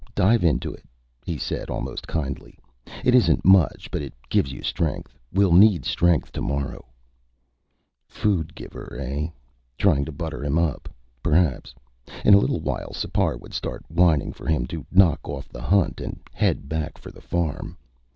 "Dive into it," he said, almost kindly. "It isn't much, but it gives you strength. We'll need strength tomorrow." Food giver, eh? Trying to butter him up, perhaps. In a little while, Sipar would start whining for him to knock off the hunt and head back for the farm.